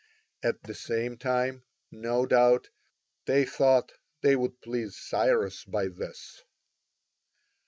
At the same time, no doubt, they thought they would please Cyrus by this.